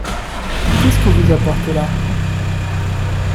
Mais qu’est-ce que vous apportez-là ?